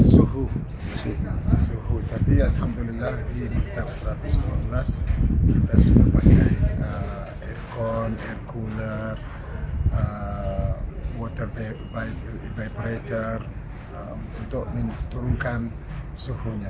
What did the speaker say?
suhu suhu tadi alhamdulillah di maktab satu ratus dua belas kita sudah pakai aircon air cooler water evaporator untuk menurunkan suhunya